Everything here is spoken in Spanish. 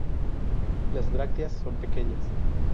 Las brácteas son pequeñas.